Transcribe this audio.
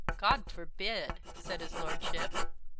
"God forbid!" said his lordship.